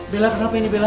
bella kenapa ini bella